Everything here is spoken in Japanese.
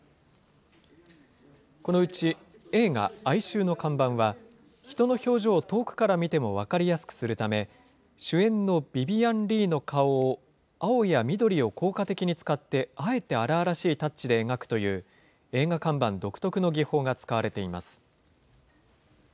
このうち、映画、哀愁の看板は、人の表情を遠くから見ても分かりやすくするため、主演のビビアン・リーの顔を、青や緑を効果的に使って、あえて荒々しいタッチで描くという、映画看板独特の技法が使われています。